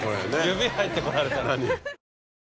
指入ってこられたら。